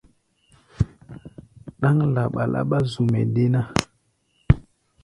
Ɗáŋ laɓa-laɓá zu-mɛ́ dé ná.